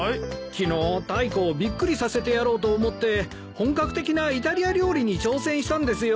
昨日タイコをびっくりさせてやろうと思って本格的なイタリア料理に挑戦したんですよ。